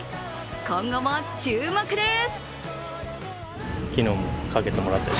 今後も注目です。